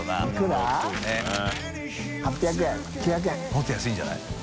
もっと安いんじゃない？